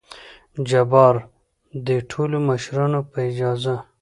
جبار : دې ټولو مشرانو په اجازه!